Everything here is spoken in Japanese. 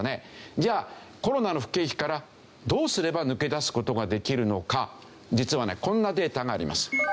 じゃあコロナの不景気からどうすれば抜け出す事ができるのか実はねこんなデータがあります。